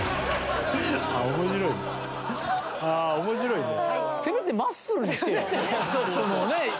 面白いね。